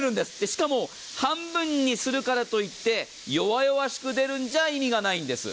しかも半分にするからといって弱々しく出るんじゃ意味がないんです。